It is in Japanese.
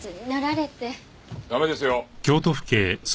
駄目ですよ。